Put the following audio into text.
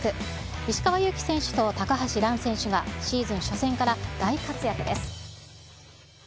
石川祐希選手と高橋藍選手がシーズン初戦から、大活躍です。